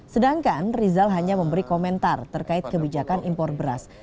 sedangkan rizal hanya memberi komentar terkait kebijakan impor beras